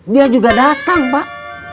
dia juga datang pak